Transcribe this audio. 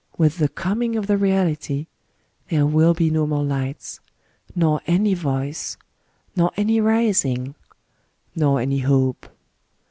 With the coming of the Reality, there will be no more lights, nor any voice, nor any rising, nor any hope.